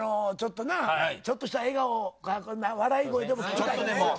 ちょっとした笑顔笑い声でも聞きたい。